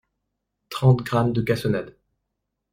trente grammes de cassonade